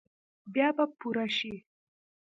بیا به پوره شي ؟